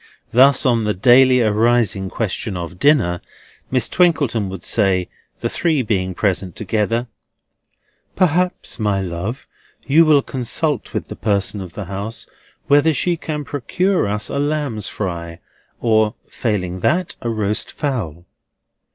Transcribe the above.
Thus, on the daily arising question of dinner, Miss Twinkleton would say, the three being present together: "Perhaps, my love, you will consult with the person of the house, whether she can procure us a lamb's fry; or, failing that, a roast fowl."